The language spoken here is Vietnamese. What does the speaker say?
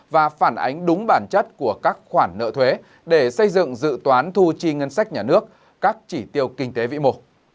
và phản ánh đúng bản chất của các khoản nợ thuế để xây dựng dự toán thu chi ngân sách nhà nước các chỉ tiêu kinh tế vĩ mô